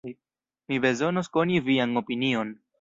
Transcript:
Mi bezonos koni vian opinion.